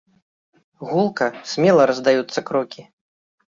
Гулка, смела раздаюцца крокі.